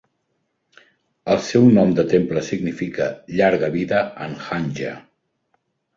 El seu nom de temple significa "Llarga Vida" en hanja.